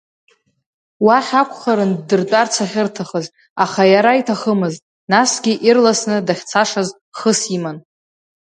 Уахь акәхарын ддыртәарц ахьырҭахыз, аха иара иҭахымызт, насгьы ирласны дахьцашаз хыс иман.